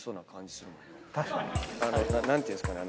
何ていうんですかね？